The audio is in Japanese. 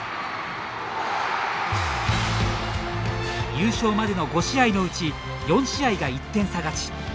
優勝までの５試合のうち４試合が１点差勝ち。